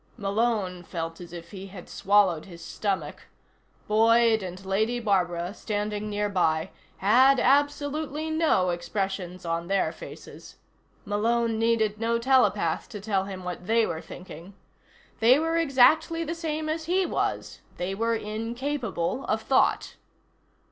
Malone felt as if he had swallowed his stomach. Boyd and Lady Barbara, standing nearby, had absolutely no expressions on their faces. Malone needed no telepath to tell him what they were thinking. They were exactly the same as he was. They were incapable of thought.